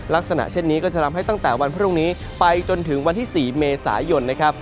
ลักษณะเช่นนี้ก็จะทำให้ตั้งแต่วันพรุ่งนี้ไปจนถึงวันที่๔เมษายนนะครับ